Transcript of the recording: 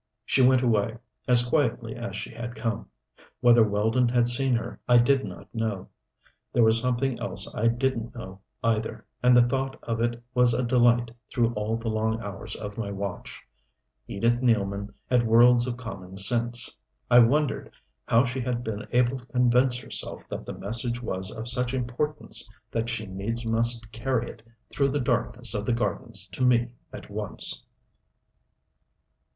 She went away, as quietly as she had come. Whether Weldon had seen her I did not know. There was something else I didn't know, either, and the thought of it was a delight through all the long hours of my watch. Edith Nealman had worlds of common sense. I wondered how she had been able to convince herself that the message was of such importance that she needs must carry it through the darkness of the gardens to me at once.